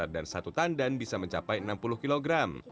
dan satu tandan bisa mencapai enam puluh kg